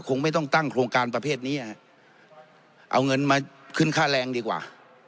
คงไม่ต้องตั้งโครงการประเภทนี้เอาเงินมาขึ้นค่าแรงดีกว่า